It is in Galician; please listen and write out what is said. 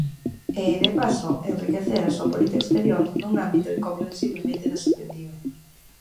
E, de paso, enriquecer a súa política exterior nun ámbito incomprensiblemente desatendido.